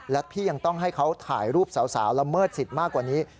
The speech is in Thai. และพี่ยังต้องให้เขาถ่ายรูปสาวละเมิดสิทธิ์มากกว่านี้